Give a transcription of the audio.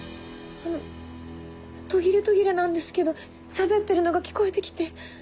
あの途切れ途切れなんですけどしゃべってるのが聞こえて来て。